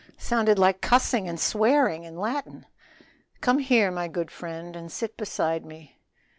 "Sounded like cussing and swearing in Latin." "Come here, my good friend, and sit beside me."